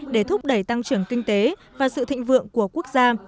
để thúc đẩy tăng trưởng kinh tế và sự thịnh vượng của quốc gia